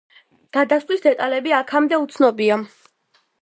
გადასვლის დეტალები აქამდე უცნობია.